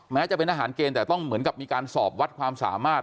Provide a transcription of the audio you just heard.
แม้จะเป็นทหารเกณฑ์แต่ต้องเหมือนกับมีการสอบวัดความสามารถ